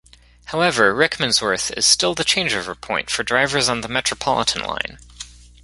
However, Rickmansworth is still the changeover point for drivers on the Metropolitan line.